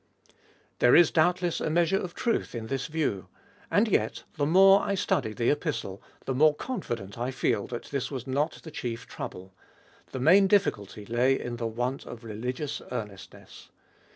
There is doubtless a measure of truth in this view. And yet, the more I study the Epistle, the more confident I feel that this was not the chief trouble; the main difficulty lay in the want of religious earnestness.